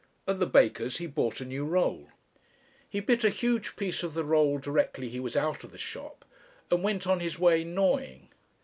At the baker's he bought a new roll. He bit a huge piece of the roll directly he was out of the shop, and went on his way gnawing.